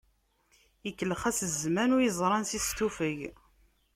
Ikellex-as zzman, ur yeẓri ansi s-tufeg.